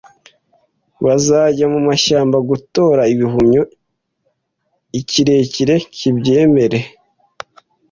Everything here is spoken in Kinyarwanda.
Bazajya mumashyamba gutora ibihumyo, ikirere kibyemere